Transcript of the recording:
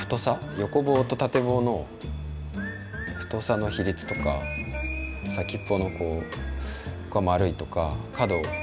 横棒と縦棒の太さの比率とか先っぽのこうここが丸いとか角も丸いとか。